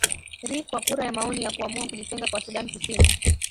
ri kwa kura ya maoni ya kuamua kujitenga kwa sudan kusini